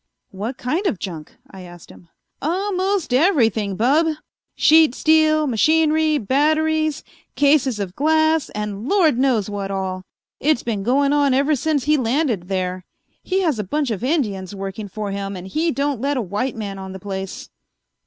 "What kind of junk?" I asked him. "Almost everything, Bub: sheet steel, machinery, batteries, cases of glass, and Lord knows what all. It's been going on ever since he landed there. He has a bunch of Indians working for him and he don't let a white man on the place."